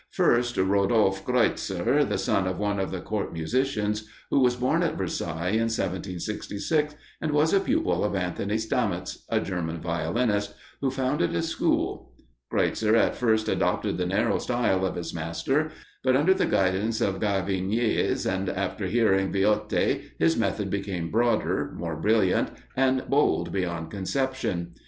First, Rodolphe Kreutzer, the son of one of the Court musicians, who was born at Versailles in 1766, and was a pupil of Anthony Stamitz, a German violinist, who founded a school. Kreutzer at first adopted the narrow style of his master; but, under the guidance of Gaviniès, and after hearing Viotti, his method became broader, more brilliant, and bold beyond conception.